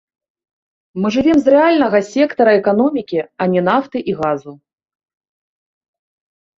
Мы жывём з рэальнага сектара эканомікі, а не нафты і газу.